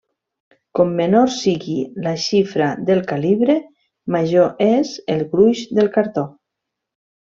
Com menor sigui la xifra del calibre, major és el gruix del cartó.